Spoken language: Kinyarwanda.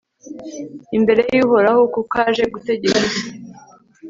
imbere y'uhoraho, kuko aje gutegeka isi